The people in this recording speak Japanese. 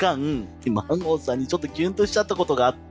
マンゴーさんにちょっとキュンとしちゃったことがあって。